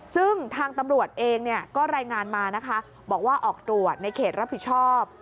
ซึ่งทางตำรวจเองก็รายงานมานะคะบอกว่าออกตรวจในเขตรับผิดชอบ